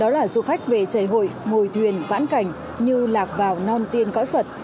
ngồi thuyền vãn cảnh như lạc vào non tiên cõi phật